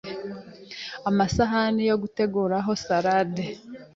Amasahani yo guteguraho salade